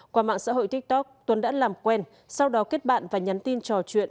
qua mạng xã hội tiktok tuấn đã làm quen sau đó kết bạn và nhắn tin trò chuyện